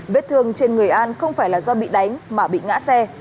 vết thương trên người an không phải là do bị đánh mà bị ngã xe